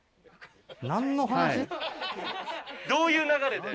どういう流れで？